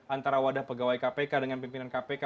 antara wadah pegawai kpk dengan pimpinan kpk